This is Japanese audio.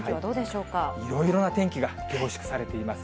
いろいろな天気が凝縮されています。